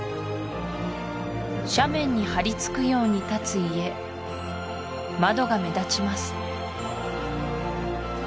斜面にはりつくように立つ家窓が目立ちます